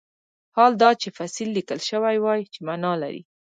حال دا چې فصیل لیکل شوی وای چې معنی لري.